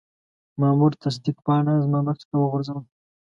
مامور تصدیق پاڼه زما مخې ته وغورځوله.